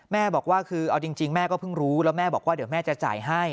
แม่บอกว่าคือเอาจริงแม่ก็เพิ่งรู้แล้วแม่บอกว่าเดี๋ยวแม่จะจ่ายให้